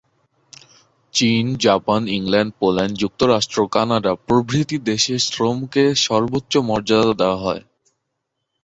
চীন, Japan, England, Poland, যুক্তরাষ্ট্র, Canada প্রভৃতি দেশে শ্রমকে সর্বোচ্চ মর্যাদা দেয়া হয়।